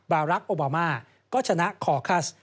บารักษ์โอบามาก็ชนะคอคัส